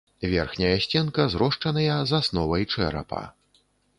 Верхняя сценка зрошчаныя з асновай чэрапа.